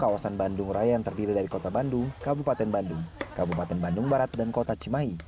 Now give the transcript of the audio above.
kawasan bandung raya yang terdiri dari kota bandung kabupaten bandung kabupaten bandung barat dan kota cimahi